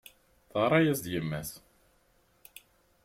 Teɣra-as-d yemma-s.